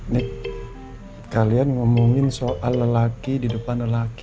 nih kalian ngomongin soal lelaki di depan lelaki